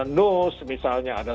nus misalnya ada